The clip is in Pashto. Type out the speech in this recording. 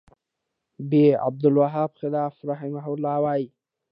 ب : عبدالوهاب خلاف رحمه الله وایی